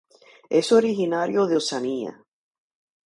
Es originario de Oceanía.